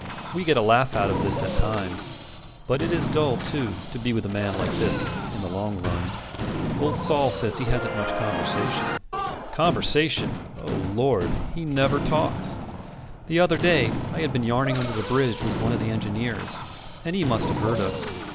We get a laugh out of this at times; but it is dull, too, to be with a man like this in the long run. Old Sol says he hasn't much conversation. Conversation! O Lord! He never talks. The other day I had been yarning under the bridge with one of the engineers, and he must have heard us.